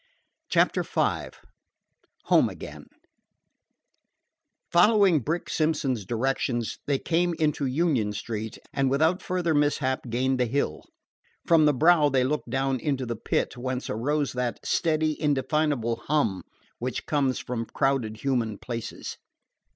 CHAPTER V HOME AGAIN Following Brick Simpson's directions, they came into Union Street, and without further mishap gained the Hill. From the brow they looked down into the Pit, whence arose that steady, indefinable hum which comes from crowded human places.